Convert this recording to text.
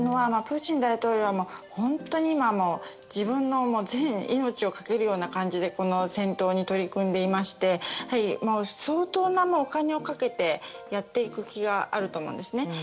プーチン大統領は本当に今自分の命を懸けるような感じでこの戦闘に取り組んでいまして相当なお金をかけてやっていく気があると思うんですね。